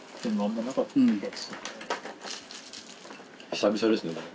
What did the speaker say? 久々ですね